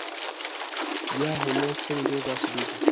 Ja honeste ni devas vivi.